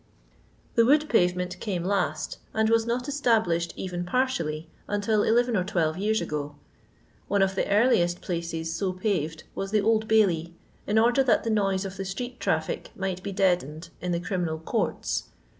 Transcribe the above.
The wood pavement came last, and was not established, even partially, until deven or twelve years ago. One of the earliest pkces so paved was the Old Bailey, in order that the noise of the street traffic might be deadened in the Criminal Courts.